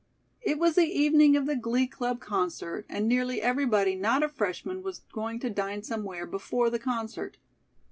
It was the evening of the Glee Club concert, and nearly everybody not a freshman was going to dine somewhere before the concert.